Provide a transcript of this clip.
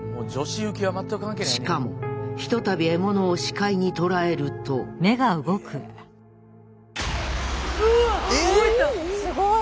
しかもひとたび獲物を視界に捉えるとええ⁉すごい。